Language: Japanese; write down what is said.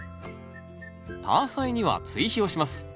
タアサイには追肥をします。